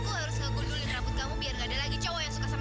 aku harus menggulungi rambutmu agar tidak ada lagi orang yang suka denganmu